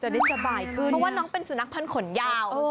เพราะว่าน้องเป็นสุนัขพันธ์ขนยาว